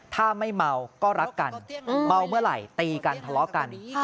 ถ้าไม่เมาก็รักกันเมาเมื่อไหร่ตีกันทะเลาะกัน